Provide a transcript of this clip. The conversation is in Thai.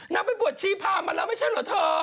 นักบ่วนชีพามาแล้วไม่ใช่เหรอเถอะ